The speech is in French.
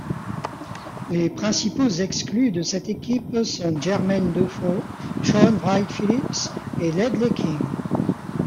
Les principaux exclus de cette équipe sont Jermain Defoe, Shaun Wright-Phillips et Ledley King.